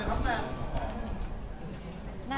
สวัสดีครับ